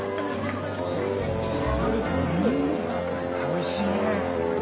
おいしいねえ。